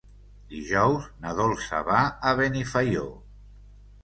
Dijous na Dolça va a Benifaió.